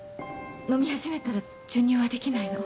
飲み始めたら授乳はできないの。